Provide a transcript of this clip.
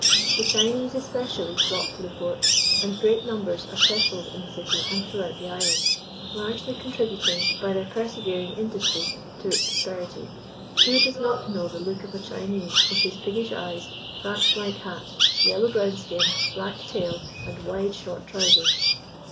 The Chinese especially flock to the port, and great numbers are settled in the city and throughout the island, largely contributing by their persevering industry to its prosperity. Who does not know the look of a Chinese, with his piggish eyes, thatched like hat, yellow brown skin, black tail, and wide short trousers?